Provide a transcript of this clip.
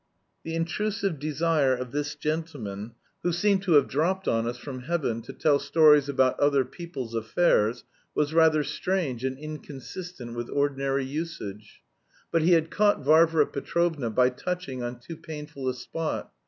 The intrusive desire of this gentleman, who seemed to have dropped on us from heaven to tell stories about other people's affairs, was rather strange and inconsistent with ordinary usage. But he had caught Varvara Petrovna by touching on too painful a spot.